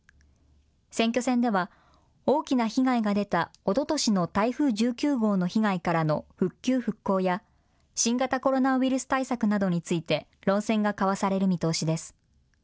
選挙戦では、大きな被害が出たおととしの台風１９号の被害からの復旧・復興や、新型コロナウイルス対策などについて論戦が交わされる見通しです。